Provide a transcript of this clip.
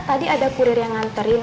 tadi ada kurir yang nganterin